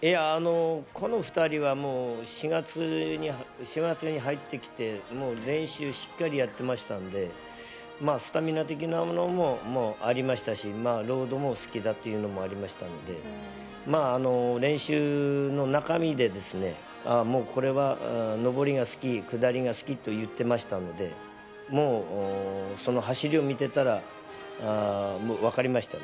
この２人は４月に入ってきて、練習しっかりやっていましたので、スタミナ的なものもありましたし、ロードも好きだというのもありましたので、練習の中身で、これは上りが好き、下りが好きと言っていましたので、その走りを見ていたらわかりましたね。